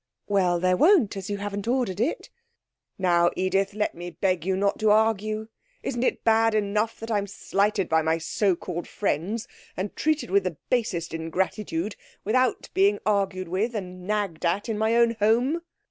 'Well, there won't, as you haven't ordered it.' 'Now, Edith, let me beg you not to argue. Isn't it bad enough that I'm slighted by my so called friends, and treated with the basest ingratitude, without being argued with and nagged at in my own home?'